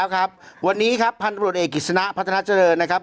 ครับวันนี้ครับพันธุรกิจเอกกิจสนะพัฒนาเจริญนะครับ